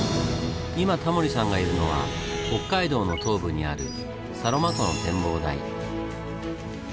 今タモリさんがいるのは北海道の東部にあるサロマ湖の展望台。